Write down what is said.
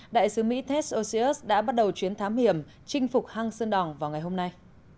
đại sứ mỹ test osius đã bắt đầu chuyến thám hiểm chinh phục hang sơn đỏng vào ngày hôm nay